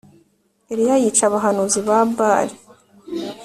Eliya yica abahanuzi ba Bāli